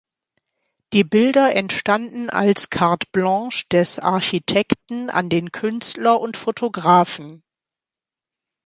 Die Bilder entstanden als Carte blanche des Architekten an den Künstler und Fotografen.